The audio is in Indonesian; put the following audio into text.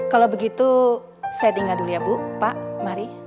kalau begitu saya tinggal dulu ya bu pak mari